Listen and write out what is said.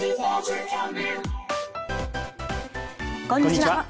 こんにちは